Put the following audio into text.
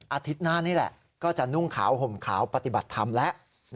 อาทิตย์หน้านี่แหละก็จะนุ่งขาวห่มขาวปฏิบัติธรรมแล้ว